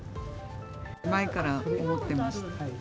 前から思ってました。